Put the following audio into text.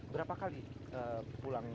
berapa kali pulang ke parunggawa